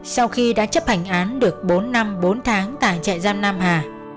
sau khi đã chấp hành án được bốn năm bốn tháng tại trại giam nam hà